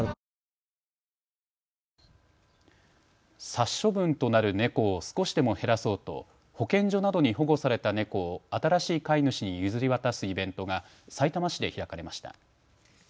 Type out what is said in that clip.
殺処分となる猫を少しでも減らそうと保健所などに保護された猫を新しい飼い主に譲り渡すイベントがさいたま市で開かれました。